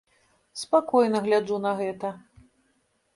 Спакойна гляджу на гэта.